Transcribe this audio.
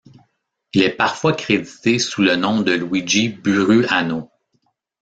Il est parfois crédité sous le nom de Luigi Burruano.